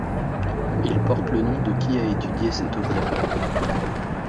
Il porte le nom de qui a étudié cet objet.